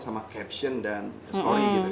sama caption dan story gitu ya